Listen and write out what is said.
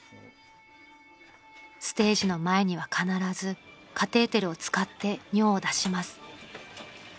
［ステージの前には必ずカテーテルを使って尿を出します］